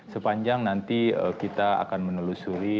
sepanjang nanti kita akan menelusuri